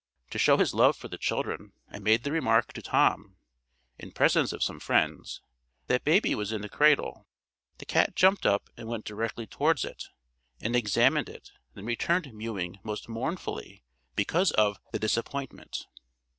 To show his love for the children, I made the remark to Tom, in presence of some friends, that baby was in the cradle; the cat jumped up and went directly towards it, and examined it, then returned mewing most mournfully because of the disappointment."